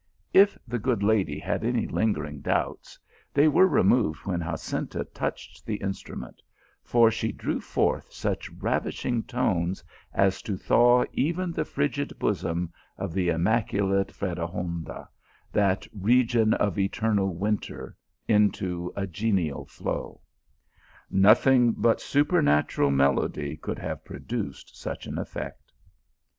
If the good lady had any lingering doubts, they were removed when Jacinta touched the instrument, for she drew forth such ravishing tones as to thaw even the frigid bo som of the immaculate Fredegonda, that region of eternal winter, into a genial flow. Nothing but su pernatural melody could have produced such an effect.